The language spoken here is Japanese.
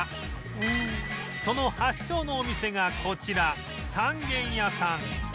その発祥のお店がこちら三軒屋さん